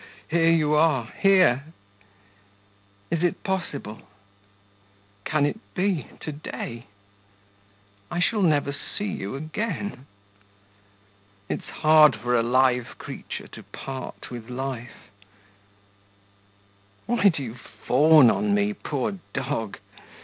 here you are, here.... Is it possible ... can it be, to day ... I shall never see you again! It's hard for a live creature to part with life! Why do you fawn on me, poor dog?